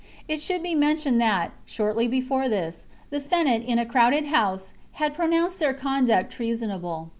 It should be mentioned that, shortly before this, the Senate in a crowded house had pro nounced their conduct treasonable.